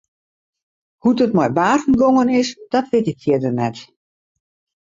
Hoe't it mei Barend gongen is dat wit ik fierder net.